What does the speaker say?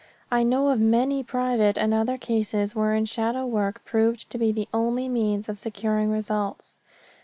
I know of many private and other cases wherein shadow work proved to be the only means of securing results.